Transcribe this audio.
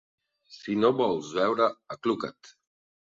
Si no ho vols veure, acluca't.